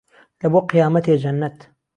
لە بۆ قیامەتێ جەننەت